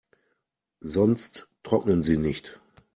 Sonst trocknen sie nicht.